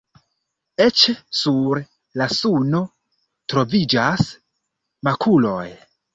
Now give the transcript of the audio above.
Eĉ sur la suno troviĝas makuloj.